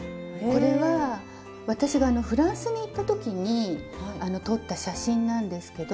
これは私がフランスに行った時に撮った写真なんですけど。